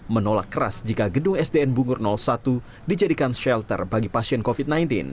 menolak keras jika gedung sdn bungur satu dijadikan shelter bagi pasien covid sembilan belas